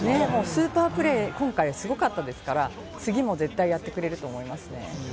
スーパープレーがすごかったですから、次もきっとやってくれると思います。